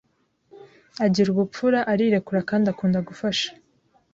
Agira ubupfura, arirekura kandi akunda gufasha